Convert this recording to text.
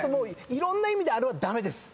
いろんな意味であれは駄目です。